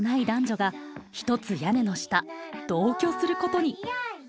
男女がひとつ屋根の下同居することに。